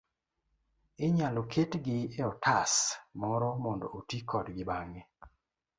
inyalo ketgi e otas moro mondo oti kodgi bang'e.